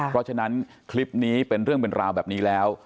เพราะฉะนั้นคลิปนี้เป็นเรื่องเป็นราวแบบนี้แล้ว